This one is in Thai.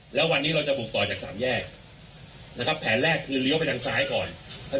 แล้ววันนี้เราจะบุกต่อจากสามแยกนะครับแผนแรกคือเลี้ยวไปทางซ้ายก่อน